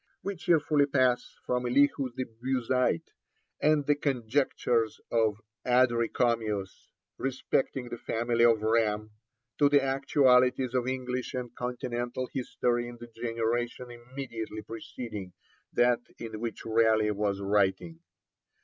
We cheerfully pass from Elihu the Buzite, and the conjectures of Adricomius respecting the family of Ram, to the actualities of English and Continental history in the generation immediately preceding that in which Raleigh was writing.